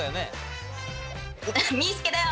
みーすけだよ！